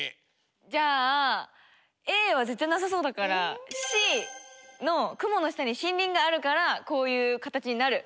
じゃあＡは絶対なさそうだからＣの雲の下に森林があるからこういう形になる。